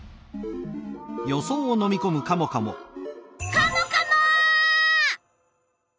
カモカモ！